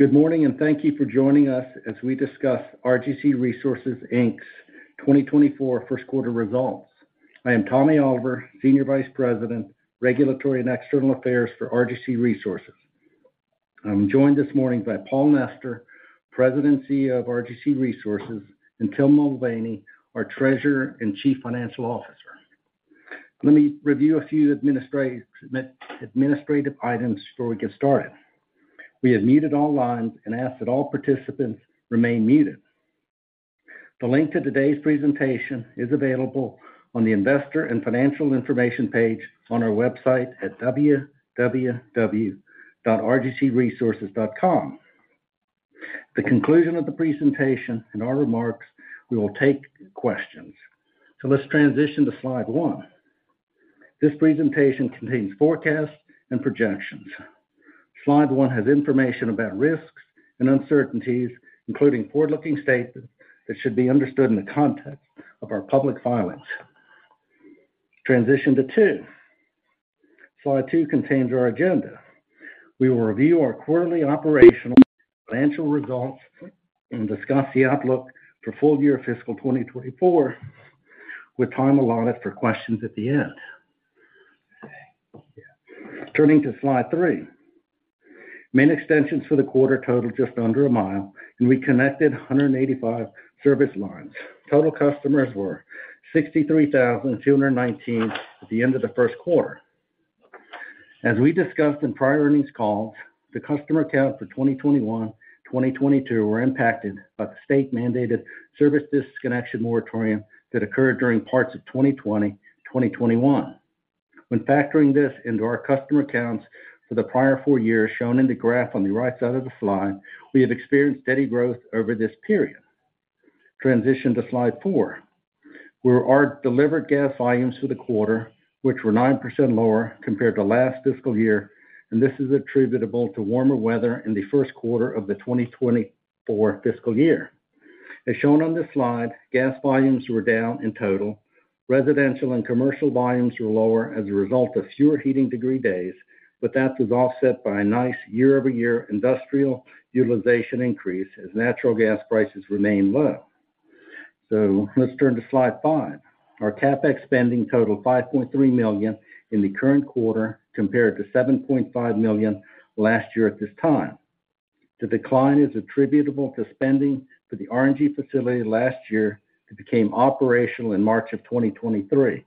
Good morning, and thank you for joining us as we discuss RGC Resources, Inc.'s 2024 first quarter results. I am Tommy Oliver, Senior Vice President, Regulatory and External Affairs for RGC Resources. I'm joined this morning by Paul Nester, President of RGC Resources, and Tim Mulvaney, our Treasurer and Chief Financial Officer. Let me review a few administrative items before we get started. We have muted online and ask that all participants remain muted. The link to today's presentation is available on the Investor and Financial Information page on our website at www.rgcresources.com. At the conclusion of the presentation and our remarks, we will take questions. So let's transition to slide one. This presentation contains forecasts and projections. Slide one has information about risks and uncertainties, including forward-looking statements, that should be understood in the context of our public filings. Transition to two. Slide two contains our agenda. We will review our quarterly operational financial results and discuss the outlook for full year fiscal 2024, with time allotted for questions at the end. Turning to slide three. Main extensions for the quarter totaled just under a mile, and we connected 185 service lines. Total customers were 63,219 at the end of the first quarter. As we discussed in prior earnings calls, the customer count for 2021, 2022 were impacted by the state-mandated service disconnection moratorium that occurred during parts of 2020, 2021. When factoring this into our customer accounts for the prior four years, shown in the graph on the right side of the slide, we have experienced steady growth over this period. Transition to slide four, where our delivered gas volumes for the quarter, which were 9% lower compared to last fiscal year, and this is attributable to warmer weather in the first quarter of the 2024 fiscal year. As shown on this slide, gas volumes were down in total. Residential and commercial volumes were lower as a result of fewer heating degree days, but that was offset by a nice year-over-year industrial utilization increase as natural gas prices remained low. So let's turn to slide five. Our CapEx spending totaled $5.3 million in the current quarter, compared to $7.5 million last year at this time. The decline is attributable to spending for the RNG facility last year, that became operational in March of 2023.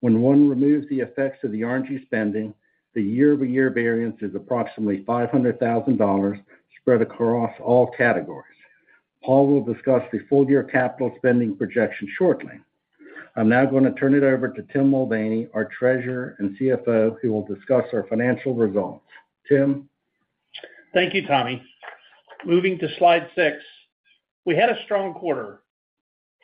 When one removes the effects of the RNG spending, the year-over-year variance is approximately $500,000 spread across all categories. Paul will discuss the full year capital spending projection shortly. I'm now going to turn it over to Tim Mulvaney, our Treasurer and Chief Financial Officer, who will discuss our financial results. Tim? Thank you, Tommy. Moving to slide 6. We had a strong quarter.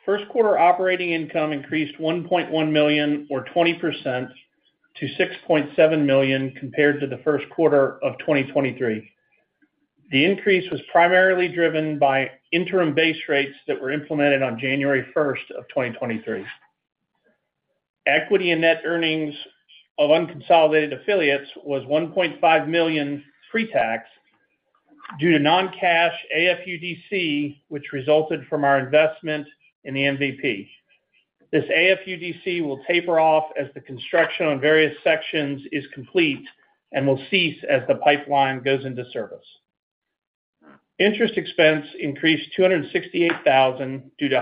First quarter operating income increased $1.1 million, or 20%, to $6.7 million compared to the first quarter of 2023. The increase was primarily driven by interim base rates that were implemented on January 1, 2023. Equity and net earnings of unconsolidated affiliates was $1.5 million pre-tax due to non-cash AFUDC, which resulted from our investment in the MVP. This AFUDC will taper off as the construction on various sections is complete and will cease as the pipeline goes into service. Interest expense increased $268,000 due to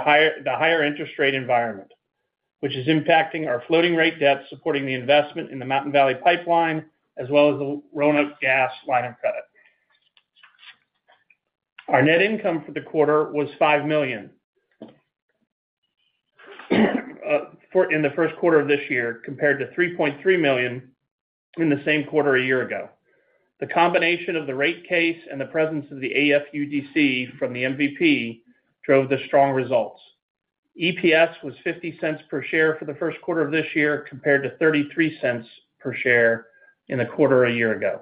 the higher interest rate environment, which is impacting our floating rate debt, supporting the investment in the Mountain Valley Pipeline, as well as the Roanoke Gas line of credit. Our net income for the quarter was $5 million in the first quarter of this year, compared to $3.3 million in the same quarter a year ago. The combination of the rate case and the presence of the AFUDC from the MVP drove the strong results. EPS was $0.50 per share for the first quarter of this year, compared to $0.33 per share in the quarter a year ago.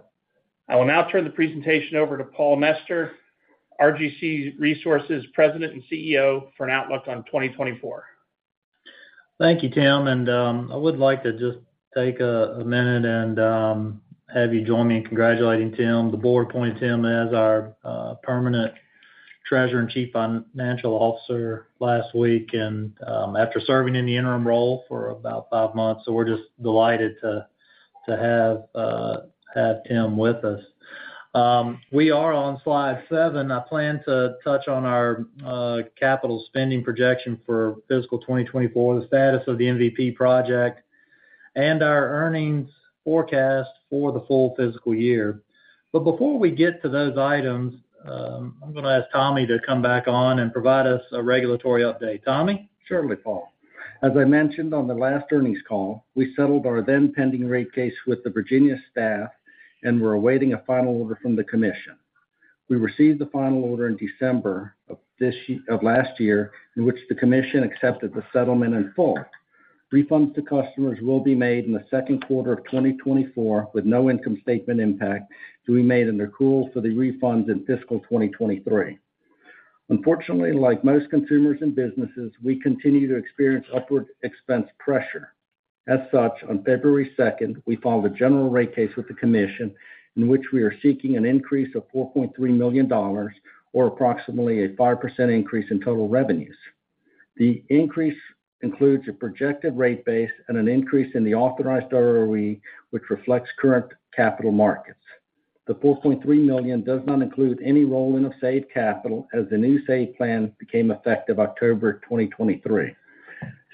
I will now turn the presentation over to Paul Nester, RGC Resources President and Chief Executive Officer, for an outlook on 2024. Thank you, Tim, and I would like to just take a minute and have you join me in congratulating Tim. The board appointed Tim as our permanent treasurer and chief financial officer last week, and after serving in the interim role for about five months. So we're just delighted to have Tim with us. We are on slide seven. I plan to touch on our capital spending projection for fiscal 2024, the status of the MVP project, and our earnings forecast for the full fiscal year. But before we get to those items, I'm gonna ask Tommy to come back on and provide us a regulatory update. Tommy? Surely, Paul. As I mentioned on the last earnings call, we settled our then-pending rate case with the Virginia Staff and were awaiting a final order from the Commission. We received the final order in December of this year, of last year, in which the Commission accepted the settlement in full. Refunds to customers will be made in the second quarter of 2024, with no income statement impact, so we made an accrual for the refunds in fiscal 2023. Unfortunately, like most consumers and businesses, we continue to experience upward expense pressure. As such, on February 2, we filed a general rate case with the Commission, in which we are seeking an increase of $4.3 million or approximately a 5% increase in total revenues. The increase includes a projected rate base and an increase in the authorized ROE, which reflects current capital markets. The $4.3 million does not include any ROE in a SAVE capital, as the new SAVE plan became effective October 2023.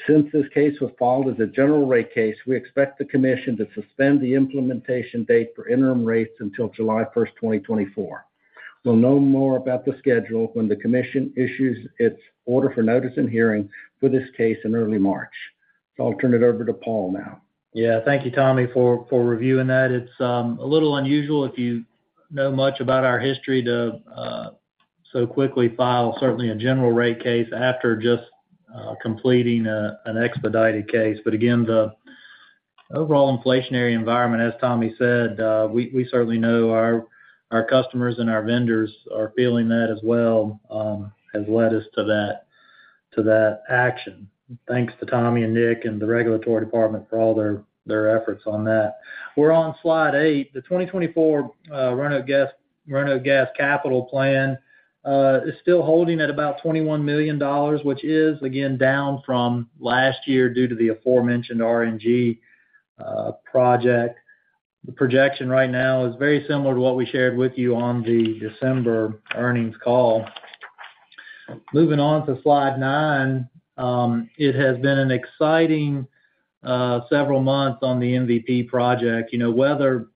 Since this case was filed as a general rate case, we expect the Commission to suspend the implementation date for interim rates until July 1, 2024. We'll know more about the schedule when the Commission issues its order for notice and hearing for this case in early March. So I'll turn it over to Paul now. Yeah. Thank you, Tommy, for reviewing that. It's a little unusual if you know much about our history to so quickly file, certainly a general rate case after just completing an expedited case. But again, the overall inflationary environment, as Tommy said, we certainly know our customers and our vendors are feeling that as well, has led us to that action. Thanks to Tommy and Nick and the regulatory department for all their efforts on that. We're on slide eight. The 2024 Roanoke Gas capital plan is still holding at about $21 million, which is, again, down from last year due to the aforementioned RNG project. The projection right now is very similar to what we shared with you on the December earnings call. Moving on to slide nine, it has been an exciting, several months on the MVP project. You know, weather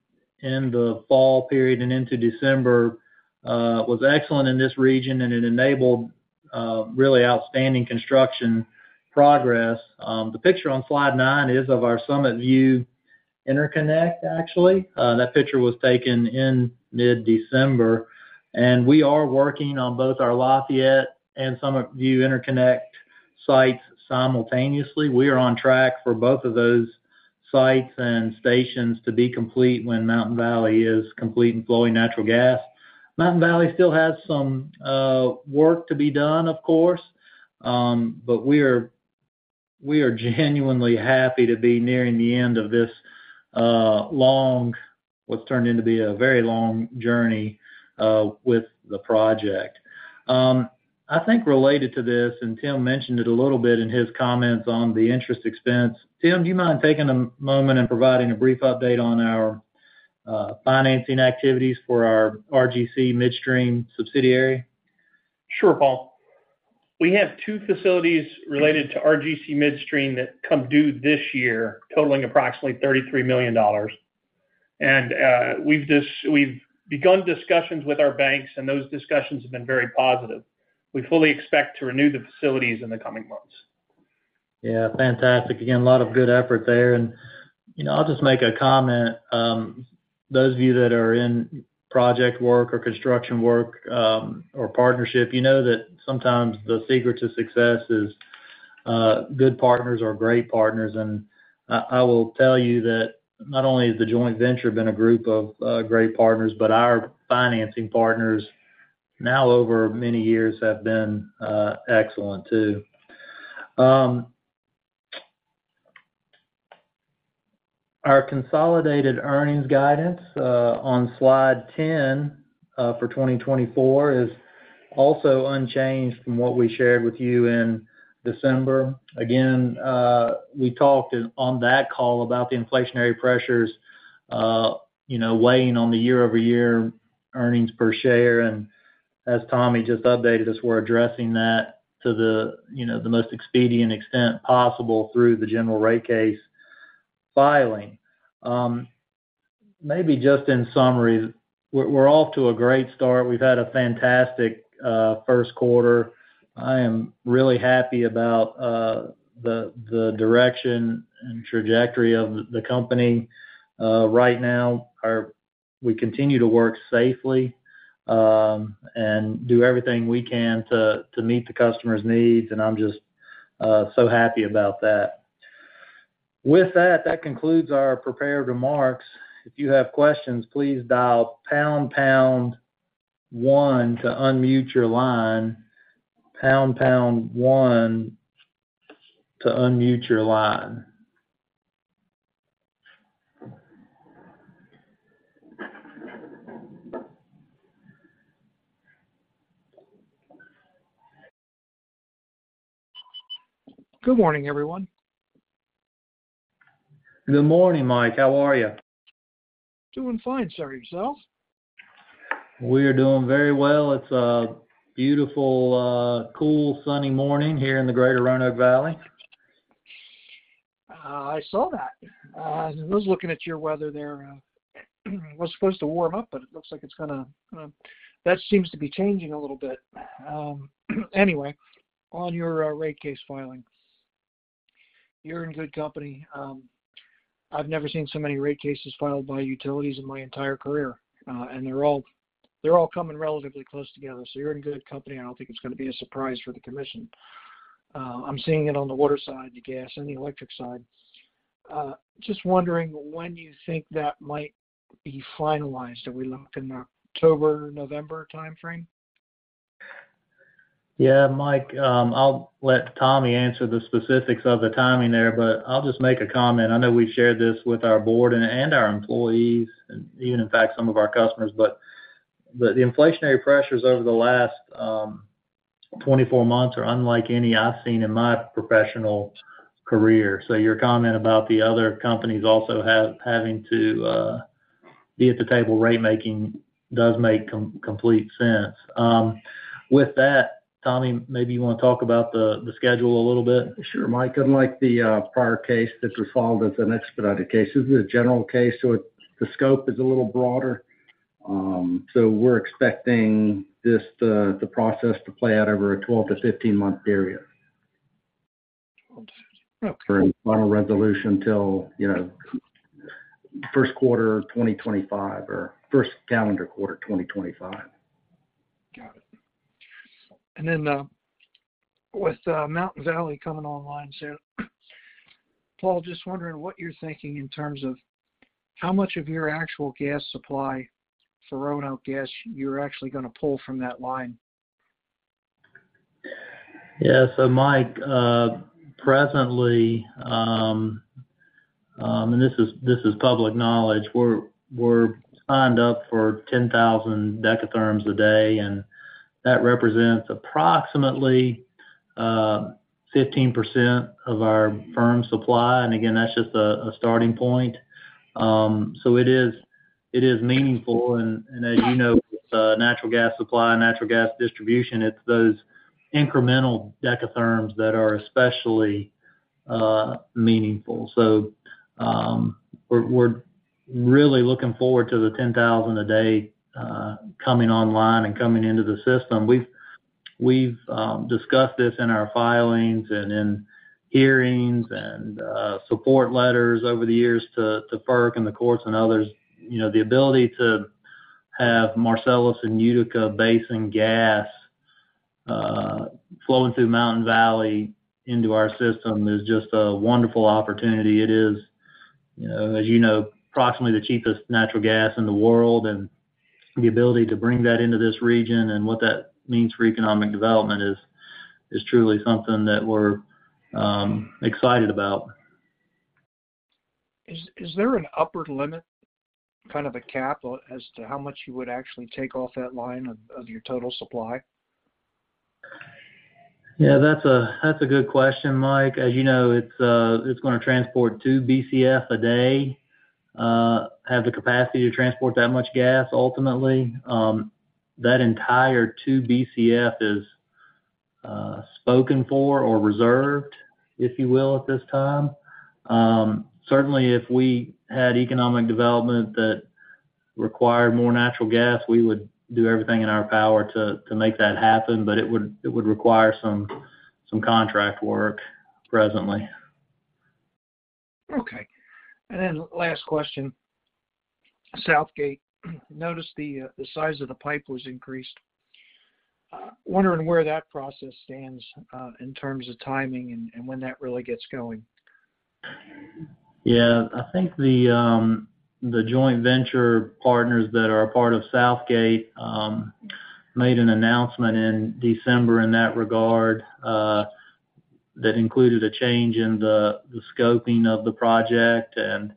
in the fall period and into December, was excellent in this region, and it enabled, really outstanding construction progress. The picture on slide nine is of our Summit View interconnect, actually. That picture was taken in mid-December, and we are working on both our Lafayette and Summit View interconnect sites simultaneously. We are on track for both of those sites and stations to be complete when Mountain Valley is complete and flowing natural gas. Mountain Valley still has some, work to be done, of course, but we are, we are genuinely happy to be nearing the end of this, long—what's turned into be a very long journey, with the project. I think related to this, and Tim mentioned it a little bit in his comments on the interest expense. Tim, do you mind taking a moment and providing a brief update on our financing activities for our RGC Midstream subsidiary? Sure, Paul. We have two facilities related to RGC Midstream that come due this year, totaling approximately $33 million. We've just begun discussions with our banks, and those discussions have been very positive. We fully expect to renew the facilities in the coming months. Yeah, fantastic. Again, a lot of good effort there, and, you know, I'll just make a comment. Those of you that are in project work or construction work, or partnership, you know that sometimes the secret to success is, good partners or great partners. And I, I will tell you that not only has the joint venture been a group of, great partners, but our financing partners now, over many years, have been, excellent, too. Our consolidated earnings guidance, on slide 10, for 2024 is also unchanged from what we shared with you in December. Again, we talked on that call about the inflationary pressures, you know, weighing on the year-over-year earnings per share. And as Tommy just updated us, we're addressing that to the, you know, the most expedient extent possible through the general rate case filing. Maybe just in summary, we're off to a great start. We've had a fantastic first quarter. I am really happy about the direction and trajectory of the company. Right now, we continue to work safely and do everything we can to meet the customer's needs, and I'm just so happy about that. With that, that concludes our prepared remarks. If you have questions, please dial pound, pound one to unmute your line. Pound, pound one to unmute your line. Good morning, everyone. Good morning, Mike. How are you? Doing fine, sir. Yourself? We are doing very well. It's a beautiful, cool, sunny morning here in the Greater Roanoke Valley. I saw that. I was looking at your weather there. It was supposed to warm up, but it looks like it's gonna... That seems to be changing a little bit. Anyway, on your rate case filing, you're in good company. I've never seen so many rate cases filed by utilities in my entire career, and they're all, they're all coming relatively close together, so you're in good company. I don't think it's gonna be a surprise for the Commission. I'm seeing it on the water side, the gas, and the electric side. Just wondering, when do you think that might be finalized? Are we looking in October, November timeframe? Yeah, Mike, I'll let Tommy answer the specifics of the timing there, but I'll just make a comment. I know we shared this with our board and our employees, and even in fact, some of our customers, but the inflationary pressures over the last 24 months are unlike any I've seen in my professional career. So your comment about the other companies also having to be at the table rate making does make complete sense. With that, Tommy, maybe you wanna talk about the schedule a little bit? Sure, Mike. Unlike the, prior case that was filed as an expedited case, this is a general case, so it, the scope is a little broader. So we're expecting this, the process to play out over a 12- to 15-month period. Okay. For a final resolution till, you know, first quarter of 2025 or first calendar quarter of 2025. Got it. And then, with Mountain Valley coming online soon, Paul, just wondering what you're thinking in terms of how much of your actual gas supply for Roanoke Gas you're actually gonna pull from that line? Yeah. So Mike, presently, and this is public knowledge, we're signed up for 10,000 dekatherms a day, and that represents approximately 15% of our firm supply. And again, that's just a starting point. So it is meaningful, and as you know, with natural gas supply and natural gas distribution, it's those incremental dekatherms that are especially meaningful. So, we're really looking forward to the 10,000 a day coming online and coming into the system. We've discussed this in our filings and in hearings and support letters over the years to FERC and the courts and others. You know, the ability to have Marcellus Basin and Utica Basin gas flowing through Mountain Valley into our system is just a wonderful opportunity. It is, you know, as you know, approximately the cheapest natural gas in the world and the ability to bring that into this region and what that means for economic development is truly something that we're excited about. Is there an upward limit, kind of a cap, as to how much you would actually take off that line of your total supply? Yeah, that's a good question, Mike. As you know, it's gonna transport two Bcf a day, have the capacity to transport that much gas ultimately. That entire two Bcf is spoken for or reserved, if you will, at this time. Certainly, if we had economic development that required more natural gas, we would do everything in our power to make that happen, but it would require some contract work presently. Okay. And then last question: Southgate, noticed the size of the pipe was increased. Wondering where that process stands in terms of timing and when that really gets going? Yeah. I think the joint venture partners that are a part of Southgate made an announcement in December in that regard that included a change in the scoping of the project. And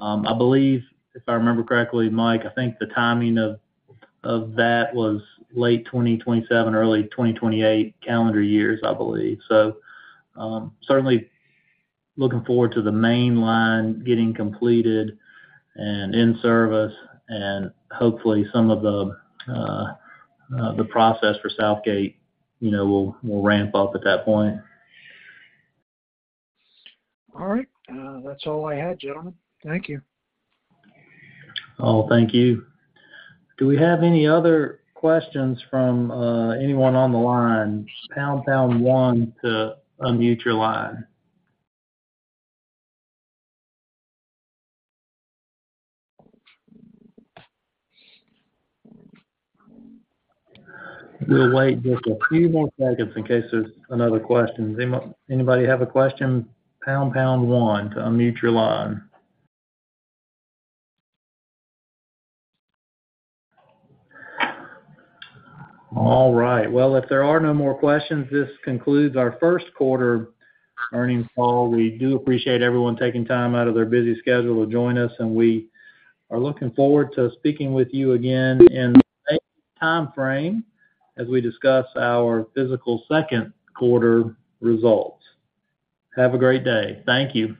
I believe, if I remember correctly, Mike, I think the timing of that was late 2027, early 2028 calendar years, I believe. So certainly looking forward to the mainline getting completed and in service, and hopefully some of the process for Southgate, you know, will ramp up at that point. All right. That's all I had, gentlemen. Thank you. Well, thank you. Do we have any other questions from anyone on the line? Pound pound one to unmute your line. We'll wait just a few more seconds in case there's another question. Anybody have a question? Pound pound one to unmute your line. All right. Well, if there are no more questions, this concludes our first quarter earnings call. We do appreciate everyone taking time out of their busy schedule to join us, and we are looking forward to speaking with you again in the same timeframe, as we discuss our fiscal second quarter results. Have a great day. Thank you.